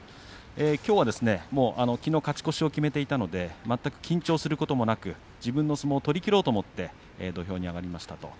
きょうはきのう勝ち越しを決めていたので全く緊張することもなく自分の相撲を取りきろうと思って土俵に上がりました。